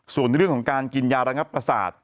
ส่วนเรื่องของการกินยาระงับประสาท